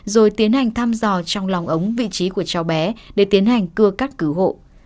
rồi tiến hành thăm dò trong lòng ống vị trí của cháu bé để tiến hành cưa cắt cứu hộ